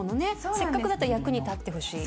せっかくだったら役に立ってほしい。